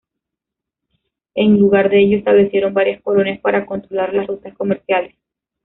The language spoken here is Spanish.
En lugar de ello, establecieron varias colonias para controlar las rutas comerciales.